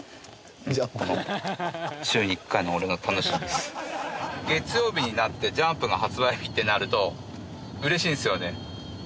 この週に１回の俺の楽しみです月曜日になってジャンプの発売日ってなるとうれしいんすよね